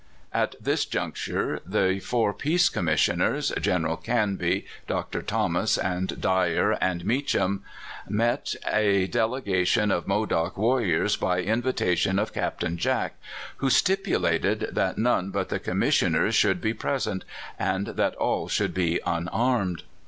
At this juncture the four Peace Commissioners — Gen eral Canby, Dr. Thomas, and Dyar and JMeacJiam — met a delegatioji of Modoc warriors by invita tion of Captain Jack, who stipulated that none but the commissioners should be present, and that all should go unarmed.